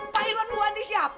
pak irwan bu andi siapa